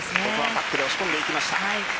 バックで押し込んでいきました。